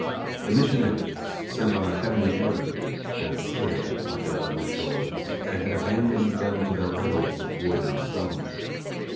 The missionaries sent on a heavenly errand, had sailed by their lovely shores, and had abandoned them to their idols of wood and stone.